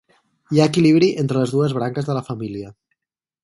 Hi ha equilibri entre les dues branques de la família.